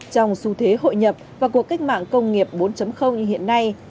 trong xu thế hội nhập và cuộc cách mạng công nghiệp bốn như hiện nay